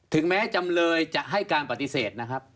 แม้จำเลยจะให้การปฏิเสธนะครับ